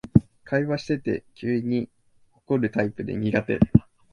会話してて急に怒るタイプで苦手